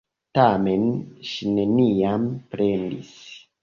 Tamen, ŝi neniam plendis.